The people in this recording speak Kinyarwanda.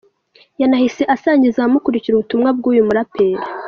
Yanahise asangiza abamukurikira ubutumwa bw’uyu muraperi.